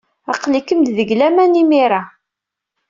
Aql-ikem deg laman imir-a.